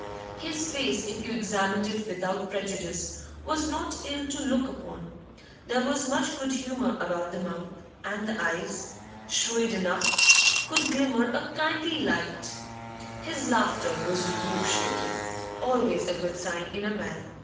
His face, if you examined it without prejudice, was not ill to look upon; there was much good humour about the mouth, and the eyes, shrewd enough, could glimmer a kindly light His laughter was roof shaking always a good sign in a man.